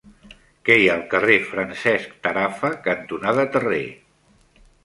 Què hi ha al carrer Francesc Tarafa cantonada Terré?